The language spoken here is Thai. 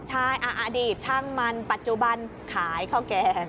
ใช่อดีตช่างมันปัจจุบันขายข้าวแกง